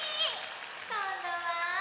こんどは。